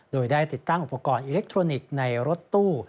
โดยได้ติดตั้งอุปกรณ์อิเล็กทรอนิกส์ในรถตู้